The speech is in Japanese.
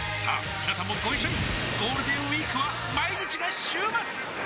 みなさんもご一緒にゴールデンウィークは毎日が週末！